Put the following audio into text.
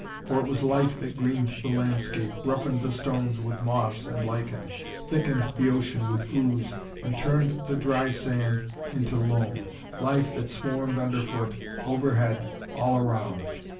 For it was life that greened the landscape, roughened the stones with moss and lichen, thickened the ocean with ooze, and turned the dry sand into loam life that swarmed underfoot, overhead, all around!